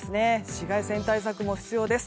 紫外線対策も必要です。